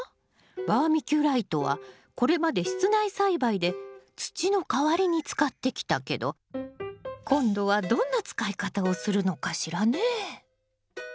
バーミキュライトはこれまで室内栽培で土の代わりに使ってきたけど今度はどんな使い方をするのかしらね。